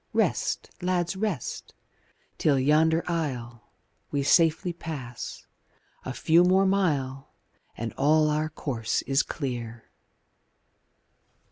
Rest, lads, rest! till yonder isle We safely pass a few more mile And all our course is clear.